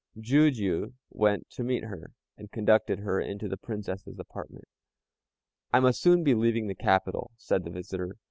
Jijiu went to meet her, and conducted her into the Princess's apartment. "I must soon be leaving the capital," said the visitor.